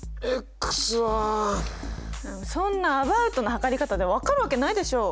そんなアバウトな測り方で分かるわけないでしょ！